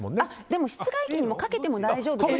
でも室外機にかけても大丈夫です。